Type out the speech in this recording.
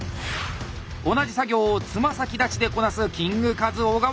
同じ作業を爪先立ちでこなすキングカズ小川。